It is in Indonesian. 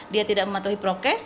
dia tidak mematuhi prokes